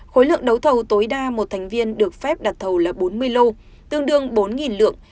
khối lượng đấu thầu tối đa một thành viên được phép đặt thầu là bốn mươi lô tương đương bốn lượng